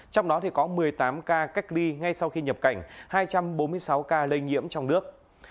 trong đó có một mươi tám ca cách ly ngay sau khi nhập cảnh hai trăm bốn mươi sáu ca lây nhiễm trong nước